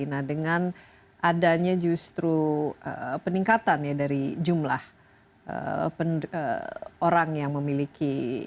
nah dengan adanya justru peningkatan ya dari jumlah orang yang memiliki